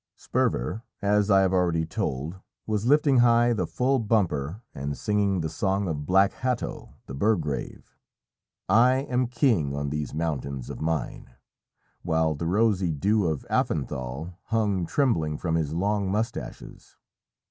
Sperver, as I have already told, was lifting high the full bumper and singing the song of Black Hatto, the Burgrave, "I am king on these mountains of mine," while the rosy dew of Affénthal hung trembling from his long moustaches.